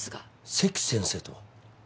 関先生とは？